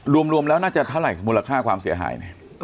รวมแล้วน่าจะเท่าไหร่มูลค่าความเสียหายเนี่ย